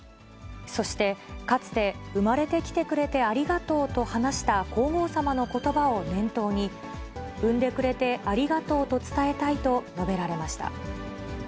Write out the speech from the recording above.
そして、かつて生まれてきてくれてありがとうと話した皇后さまのことばを念頭に、産んでくれてありがとうと伝えたいと述べられました。